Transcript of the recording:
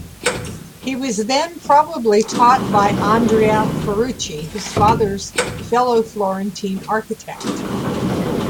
He was then probably taught by Andrea Ferrucci, his father's fellow Florentine architect.